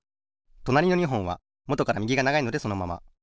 となりの２ほんはもとからみぎがながいのでそのまま。